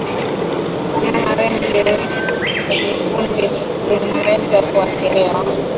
Wanyama wengi kwenye kundi wanaweza kuathiriwa